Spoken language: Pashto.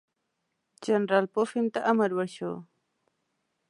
جنرال پوفم ته امر وشو.